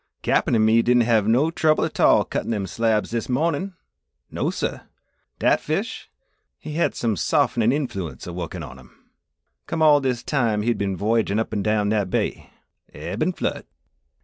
"Cap'n an' me didn' have no trouble a tall cuttin' them slabs dis _mawn_in'. No suh! dat fish, he hed some sof'nin' influence a wohkin on him, come all dis time he'd ben voyagin' up an' down dat bay ebb an' flood!"